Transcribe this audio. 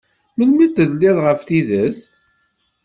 Melmi tedliḍ ɣef tidet?